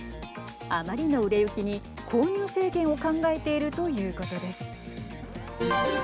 あまりの売れ行きに購入制限を考えているということです。